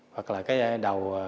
hoặc là cái đầu